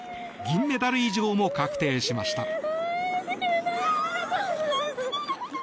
銀メダル以上も確定しました。